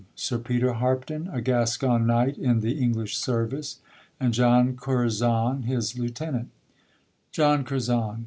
_ Sir Peter Harpdon, a Gascon knight in the English service, and John Curzon, his lieutenant. JOHN CURZON.